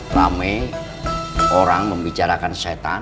rame orang membicarakan syetan